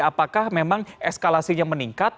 apakah memang eskalasinya meningkat